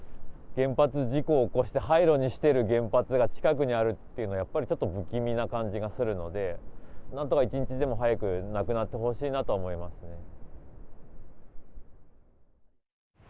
原発事故を起こして廃炉にしている原発が近くにあるっていうのは、やっぱりちょっと不気味な感じがするので、なんとか一日でも早くなくなってほしいなとは思いますね。